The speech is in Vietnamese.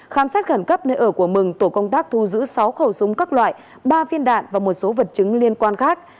khám xét khẩn cấp nơi ở của mừng tổ công tác thu giữ sáu khẩu súng các loại ba viên đạn và một số vật chứng liên quan khác